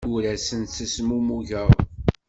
Ur asent-ttezmumugeɣ.